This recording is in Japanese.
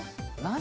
何？